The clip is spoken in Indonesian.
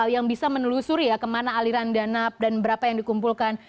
yang bisa menelusuri ya kemana aliran dana dan berapa yang dikumpulkan